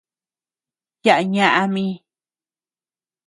Yaʼa ñaʼa mii.